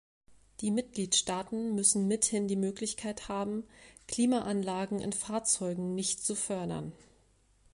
Die Mitgliedstaaten müssen mithin die Möglichkeit haben, Klimaanlagen in Fahrzeugen nicht zu fördern.